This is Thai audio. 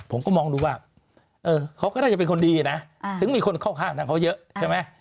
ผมก็มองดูว่าเขาก็น่าจะเป็นคนดีนะถึงมีคนเข้าข้างทางเขาเยอะใช่ไหม